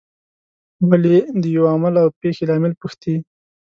ولې د یوه عمل او پېښې لامل پوښتي.